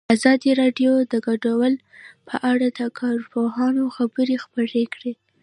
ازادي راډیو د کډوال په اړه د کارپوهانو خبرې خپرې کړي.